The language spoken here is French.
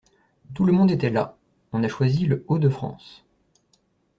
Tout le monde était là. On a choisi Le-Haut-de-France.